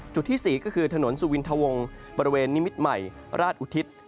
ที่๔ก็คือถนนสุวินทวงบริเวณนิมิตรใหม่ราชอุทิศ